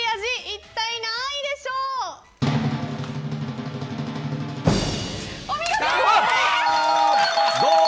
一体何位でしょう。